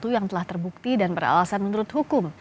yang telah terbukti dan beralasan menurut hukum